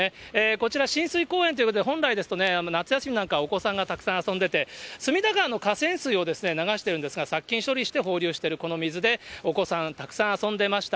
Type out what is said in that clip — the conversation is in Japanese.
こちら、親水公園ということで、本来ですとね、夏休みなんか、お子さんがたくさん遊んでて、隅田川の河川水を流してるんですが、殺菌処理して放流しているこの水で、お子さん、たくさん遊んでました。